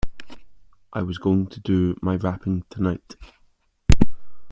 I was going to do my wrapping tonight.